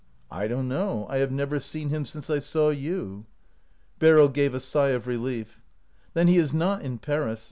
" I don't know. I have never seen him since I saw you." Beryl gave a sigh of relief. " Then he is not in Paris.